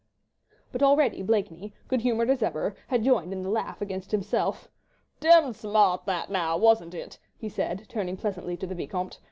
But already Blakeney, good humoured as ever, had joined in the laugh against himself. "Demmed smart that now, wasn't it?" he said, turning pleasantly to the Vicomte.